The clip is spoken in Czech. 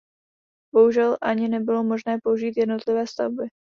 Bohužel ani nebylo možné použít jednotlivé stavby.